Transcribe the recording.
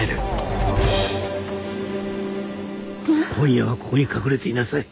今夜はここに隠れていなさい。